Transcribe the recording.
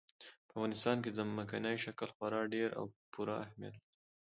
په افغانستان کې ځمکنی شکل خورا ډېر او پوره اهمیت لري.